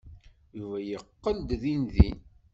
Yuba yeqqel-d dindin.